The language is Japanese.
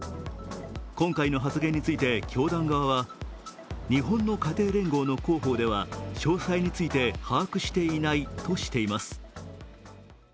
今回の発言について、教団側は日本の家庭連合の広報では詳細について把握していないとしています。